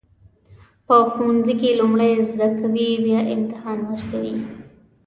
په ښوونځي کې لومړی زده کوئ بیا امتحان ورکوئ.